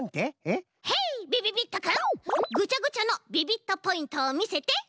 ヘイびびびっとくんぐちゃぐちゃのビビットポイントをみせて。